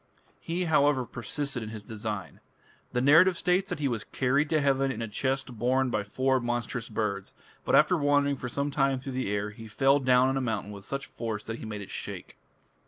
He, however, persisted in his design. The narrative states that he was "carried to heaven in a chest borne by four monstrous birds; but after wandering for some time through the air, he fell down on a mountain with such a force that he made it shake".